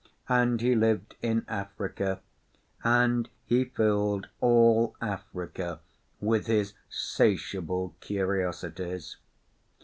And he lived in Africa, and he filled all Africa with his 'satiable curtiosities.